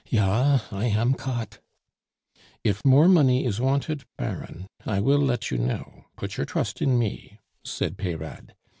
"Ja, I am caught!" "If more money is wanted, Baron, I will let you know; put your trust in me," said Peyrade.